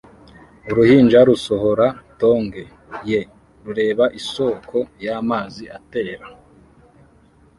Uruhinja rusohora tonge ye rureba isoko y'amazi atera